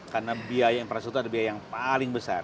karena biaya infrastruktur ada biaya yang paling besar